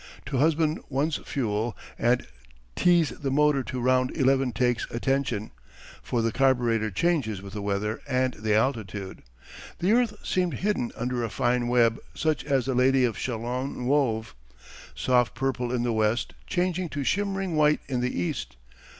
To husband one's fuel and tease the motor to round eleven takes attention, for the carburetor changes with the weather and the altitude.... The earth seemed hidden under a fine web such as the Lady of Shalott wove. Soft purple in the west, changing to shimmering white in the east.